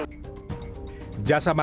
jasa marga yang ditambal